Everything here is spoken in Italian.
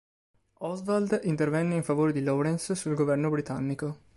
Oswald intervenne in favore di Laurens sul governo britannico.